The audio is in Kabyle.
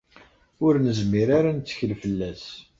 Ur nezmir ara ad nettkel fell-as.